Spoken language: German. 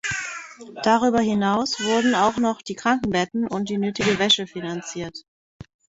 Darüber hinaus wurden auch noch die Krankenbetten und die nötige Wäsche finanziert.